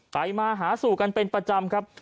ไปมาหาสู่กันเป็นประจำครับ